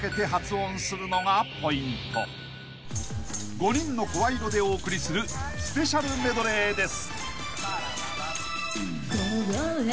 ［５人の声色でお送りするスペシャルメドレーです］